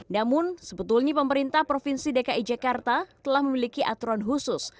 namun sebetulnya pemerintah provinsi dki jakarta telah memiliki aturan khusus